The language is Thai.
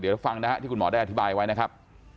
เดี๋ยวฟังนะฮะที่คุณหมอได้อธิบายไว้นะครับ